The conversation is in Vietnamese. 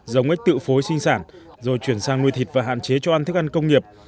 giống ếch tự phối sinh sản rồi chuyển sang nuôi thịt và hạn chế cho ăn thức ăn công nghiệp